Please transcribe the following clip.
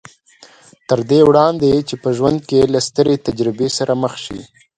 تر دې وړاندې چې په ژوند کې له سترې تجربې سره مخ شي